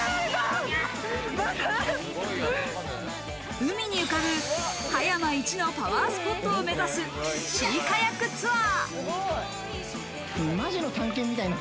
海に浮かぶ、葉山イチのパワースポットを目指すシーカヤックツアー。